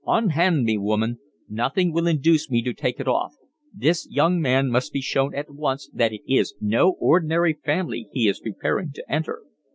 "Unhand me, woman. Nothing will induce me to take it off. This young man must be shown at once that it is no ordinary family he is preparing to enter."